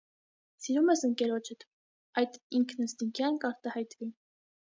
Սիրում ես ընկերոջդ,- այդ ինքնըստինքյան կարտահայտվի.